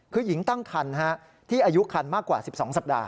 คือหญิงตั้งครรภ์ที่อายุครรภ์มากกว่า๑๒สัปดาห์